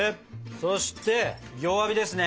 そして弱火ですね！